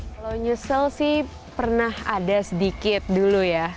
kalau nyesel sih pernah ada sedikit dulu ya